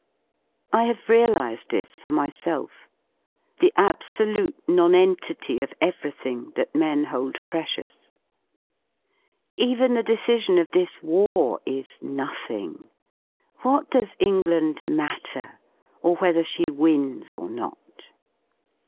'^ I have realised this for myself — the absolute nonentity of everything that men hold precious. Even the decision of this war is nothing; what does England matter, or whether she wins or not.?